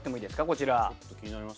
こちら。